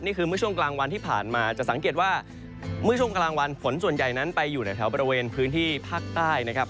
เมื่อช่วงกลางวันที่ผ่านมาจะสังเกตว่าเมื่อช่วงกลางวันฝนส่วนใหญ่นั้นไปอยู่ในแถวบริเวณพื้นที่ภาคใต้นะครับ